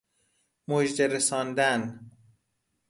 مژده رساندن